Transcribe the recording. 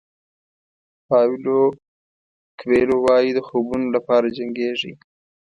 پاویلو کویلو وایي د خوبونو لپاره جنګېږئ.